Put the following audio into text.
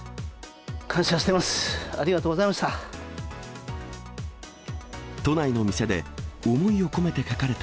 感謝してます、ありがとうございました。